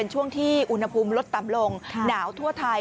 ช่วงที่อุณหภูมิลดต่ำลงหนาวทั่วไทย